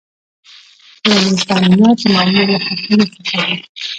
ټولیز تامینات د مامور له حقوقو څخه دي.